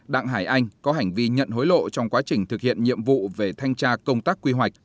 đặng hải anh có hành vi nhận hối lộ trong quá trình thực hiện nhiệm vụ về thanh tra công tác quy hoạch